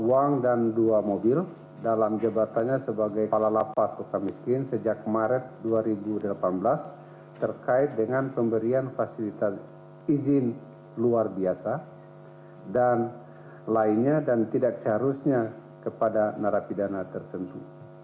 uang dan dua mobil dalam jabatannya sebagai kepala lapas suka miskin sejak maret dua ribu delapan belas terkait dengan pemberian fasilitas izin luar biasa dan lainnya dan tidak seharusnya kepada narapidana tertentu